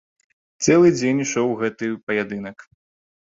Цэлы дзень ішоў гэты паядынак.